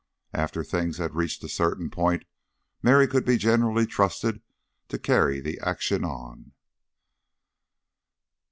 After things had reached a certain point Mary could be generally trusted to carry the action on.